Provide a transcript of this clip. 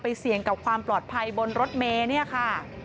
เสี่ยงกับความปลอดภัยบนรถเมย์เนี่ยค่ะ